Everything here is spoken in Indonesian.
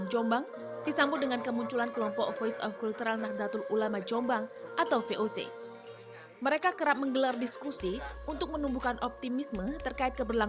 jangan lupa like share dan subscribe ya